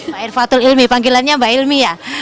pak irfatul ilmi panggilannya mbak ilmi ya